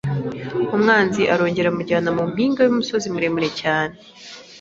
“Umwanzi arongera amujyana mu mpinga y’umusozi muremure cyane,